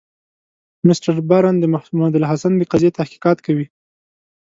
مسټر برن د محمودالحسن د قضیې تحقیقات کوي.